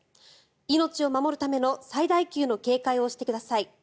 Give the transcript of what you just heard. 命を守るための最大級の警戒をしてください。